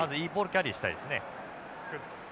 キャリーしたいですね。